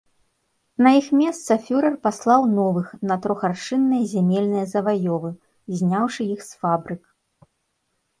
На іх месца фюрэр паслаў новых на трохаршынныя зямельныя заваёвы, зняўшы іх з фабрык.